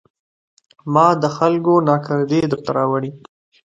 ما د خلکو ناکردې درته راوړي